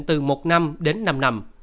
từ một năm đến năm năm